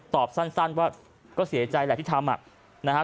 ตอบสั้นสั้นว่าก็เสียใจละที่ทำอะนะฮะ